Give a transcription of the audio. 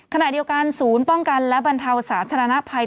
ขณะเดียวกันศูนย์ป้องกันและบรรเทาสาธารณภัย